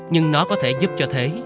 nhưng nó có thể giúp cho thế